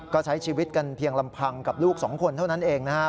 ก็ใช้ชีวิตกันเพียงลำพังกับลูกสองคนเท่านั้นเองนะฮะ